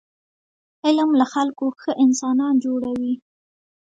علم له خلکو ښه انسانان جوړوي.